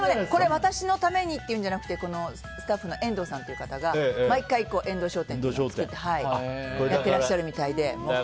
私のためにというんじゃなくてスタッフの遠藤さんという方が毎回、遠藤商店というのを作ってやっていらっしゃるみたいで。